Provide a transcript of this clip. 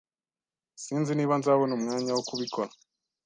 Sinzi niba nzabona umwanya wo kubikora